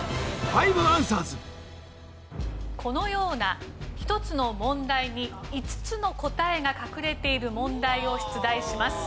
このような１つの問題に５つの答えが隠れている問題を出題します。